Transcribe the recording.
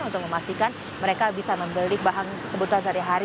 untuk memastikan mereka bisa membeli bahan kebutuhan sehari hari